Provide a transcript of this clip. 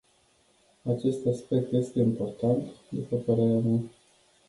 Acest aspect este important, după părerea mea.